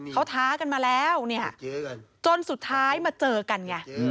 เขาท้ากันมาแล้วเนี่ยจนสุดท้ายมาเจอกันไง